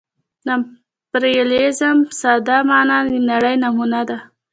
د امپریالیزم ساده مانا د نړۍ نیونه ده